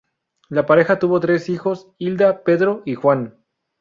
La pareja tuvo tres hijos, Hilda, Pedro y Juan.